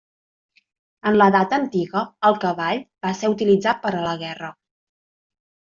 En l'edat antiga el cavall va ser utilitzat per a la guerra.